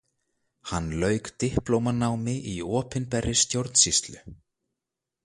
Hann lauk diplómanámi í opinberri stjórnsýslu.